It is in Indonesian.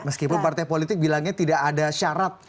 meskipun partai politik bilangnya tidak ada syarat